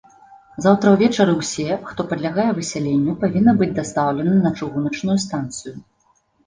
Заўтра ўвечары ўсе, хто падлягае высяленню, павінны быць дастаўлены на чыгуначную станцыю.